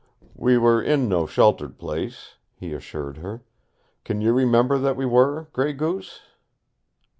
"We were in no sheltered place," he assured her. "Can you remember that we were, Gray Goose?"